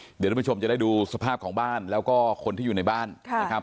เดี๋ยวทุกผู้ชมจะได้ดูสภาพของบ้านแล้วก็คนที่อยู่ในบ้านนะครับ